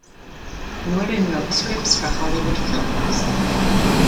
Norden wrote scripts for Hollywood films.